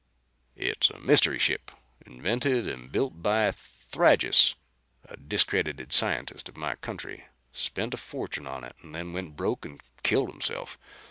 "It's a mystery ship. Invented and built by Thrygis, a discredited scientist of my country. Spent a fortune on it and then went broke and killed himself.